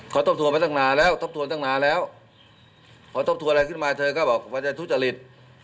พอทบทัวร์อะไรขึ้นมาเธอก็บอกว่าจะทุจริต